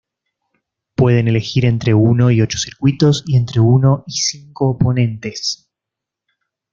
Pueden elegir entre uno y ocho circuitos y entre uno y cinco oponentes.